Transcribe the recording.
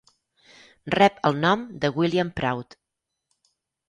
Rep el nom de William Prout.